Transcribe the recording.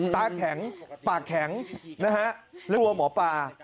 ตาแข็งปากแข็งนะฮะแล้วกลัวหมอปลา